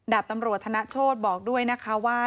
ดาบตำรวจธนโชธบอกด้วยนะคะว่า